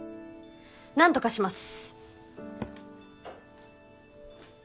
何とかします。